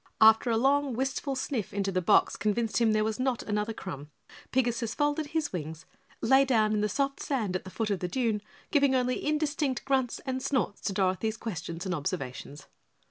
After a long, wistful sniff into the box convinced him there was not another crumb, Pigasus folded his wings, lay down in the soft sand at the foot of the dune, giving only indistinct grunts and snorts to Dorothy's questions and observations.